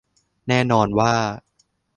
แน่นอนว่า